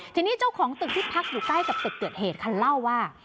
ทีนี้เจ้าของตึกที่พักอยู่ใกล้กับตึกเกิดเหตุเขาเล่าว่า